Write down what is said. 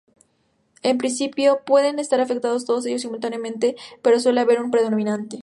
En principio, pueden estar afectados todos ellos simultáneamente pero suele haber uno predominante.